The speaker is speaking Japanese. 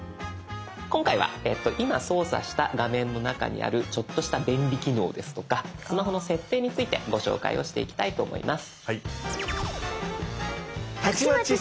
今回は今操作した画面の中にあるちょっとした便利機能ですとかスマホの設定についてご紹介をしていきたいと思います。